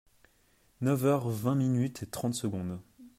Neuf heures vingt minutes et trente secondes.